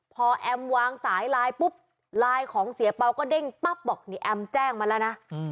พอแอมวางสายไลน์ปุ๊บไลน์ของเสียเปล่าก็เด้งปั๊บบอกนี่แอมแจ้งมาแล้วนะ